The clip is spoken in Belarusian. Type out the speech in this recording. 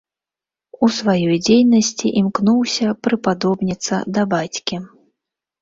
У сваёй дзейнасці імкнуўся прыпадобніцца да бацькі.